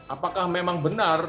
apakah memang benar